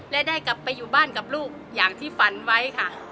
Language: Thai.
และได้กลับไปอยู่บ้านกับลูกอย่างที่ฝันไว้ค่ะ